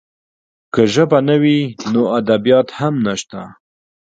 که ژبه نه وي، نو ادبیات هم نشته.